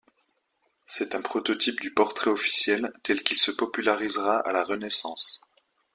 C'est un prototype du portrait officiel tel qu'il se popularisera à la Renaissance.